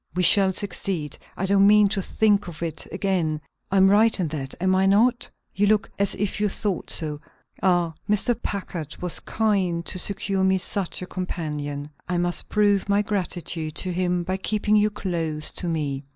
"We shall succeed; I don't mean to think of it again. I'm right in that, am I not? You look as if you thought so. Ah, Mr. Packard was kind to secure me such a companion. I must prove my gratitude to him by keeping you close to me.